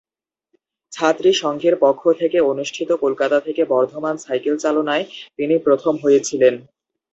ছাত্রী সংঘের পক্ষ থেকে অনুষ্ঠিত কলকাতা থেকে বর্ধমান সাইকেল চালনায় তিনি প্রথম হয়েছিলেন।